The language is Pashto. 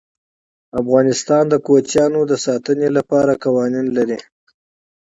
افغانستان د کوچیان د ساتنې لپاره قوانین لري.